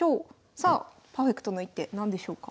さあパーフェクトな一手何でしょうか？